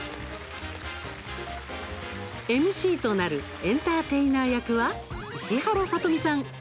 ＭＣとなるエンターテイナー役は石原さとみさん。